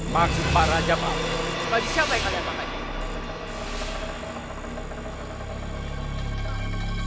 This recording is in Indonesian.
maksud para jaman baju siapa yang kalian pakai